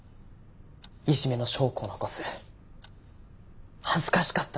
いじめの証拠を残す恥ずかしかったでしょう。